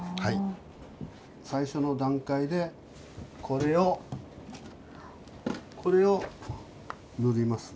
最初の段階でこれを塗ります。